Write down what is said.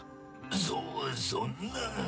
そそんな。